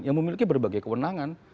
yang memiliki berbagai kewenangan